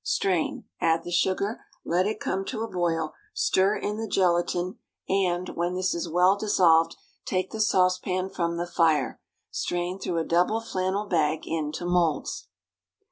Strain, add the sugar, let it come to a boil, stir in the gelatine, and, when this is well dissolved, take the saucepan from the fire. Strain through a double flannel bag into moulds.